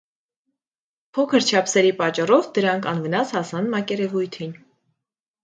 Փոքր չափսերի պատճառով դրանք անվնաս հասան մակերևույթին։